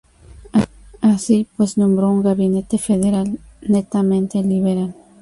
Así pues nombro un gabinete federal netamente liberal.